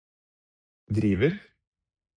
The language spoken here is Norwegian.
driver